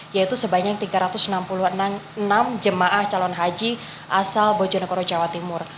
yaitu sebanyak tiga ratus enam puluh enam jemaah calon haji asal bojonegoro jawa timur